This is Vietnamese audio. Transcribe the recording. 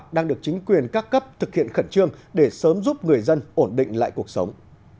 đang được chính quyền các cấp thực hiện khẩn trương để sớm giúp người dân ổn định lại cuộc sống